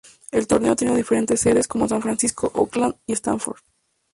El torneo ha tenido diferentes sedes, como San Francisco, Oakland y Stanford.